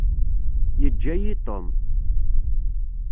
Yeǧǧa-yi Tom.